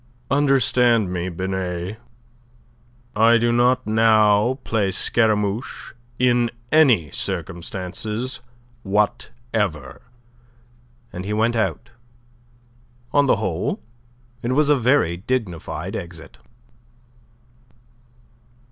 "Understand me, Binet. I do not now play Scaramouche in any circumstances whatever." And he went out. On the whole, it was a very dignified exit.